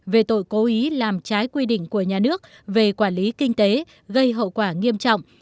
về tội cố ý làm trái quy định của nhà nước về quản lý kinh tế gây hậu quả nghiêm trọng